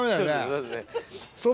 そうっすね。